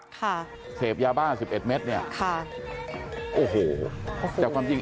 ค่ะเสพยาบ้าสิบเอ็ดเม็ดเนี้ยค่ะโอ้โหแต่ความจริง